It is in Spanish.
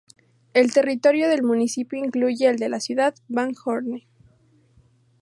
El territorio del municipio incluye al de una ciudad, Van Horne.